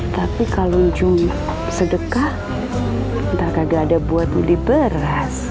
tapi kalau sedekah entah kagak ada buat beli beras